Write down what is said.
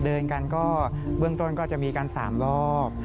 เดินกันก็เบื้องต้นก็จะมีกัน๓รอบ